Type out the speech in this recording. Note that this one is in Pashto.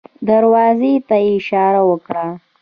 دروازې ته يې اشاره وکړه.